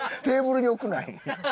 テーブルに置くなよ。